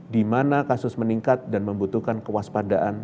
dimana kasus meningkat dan membutuhkan kewaspadaan